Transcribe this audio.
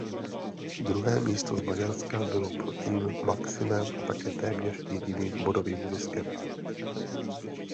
Druhé místo z Maďarska bylo pro tým maximem a také téměř jediným bodovým ziskem.